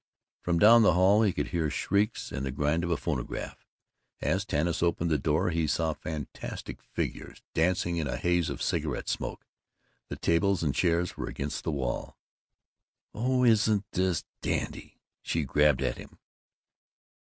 From down the hall he could hear shrieks and the grind of a phonograph. As Tanis opened the door he saw fantastic figures dancing in a haze of cigarette smoke. The tables and chairs were against the wall. "Oh, isn't this dandy!" she gabbled at him.